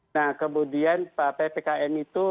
nah kemudian ppkm itu